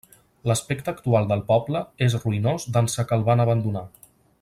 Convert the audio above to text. L'aspecte actual del poble és ruïnós d'ençà que el van abandonar.